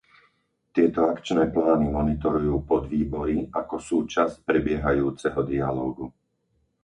Tieto akčné plány monitorujú podvýbory ako súčasť prebiehajúceho dialógu.